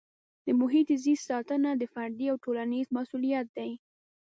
د محیط زیست ساتنه د فردي او ټولنیز مسؤلیت دی.